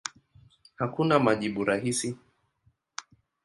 Hakuna majibu rahisi.